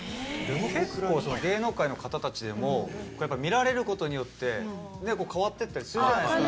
結構芸能界の方たちでも見られることによって変わってったりするじゃないですか。